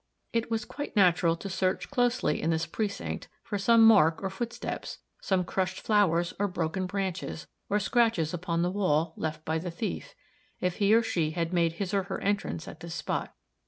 It was quite natural to search closely in this precinct for some mark or footsteps, some crushed flowers, or broken branches, or scratches upon the wall, left by the thief, if he or she had made his or her entrance at this spot.